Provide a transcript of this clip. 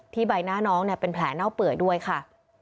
ที่ใบหน้าน้องเป็นแผลหน้าเปลือกด้วยค่ะ